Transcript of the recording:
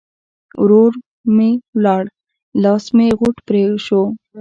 ورور م ولاړ؛ لاس مې غوټ پرې شو.